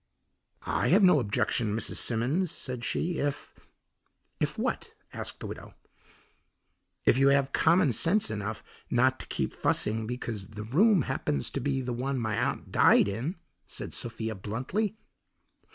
"I have no objection, Mrs. Simmons," said she, "if " "If what?" asked the widow. "If you have common sense enough not to keep fussing because the room happens to be the one my aunt died in," said Sophia bluntly.